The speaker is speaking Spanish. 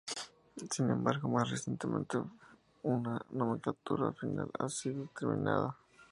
Sin embargo, más recientemente, una nomenclatura final ha sido determinada.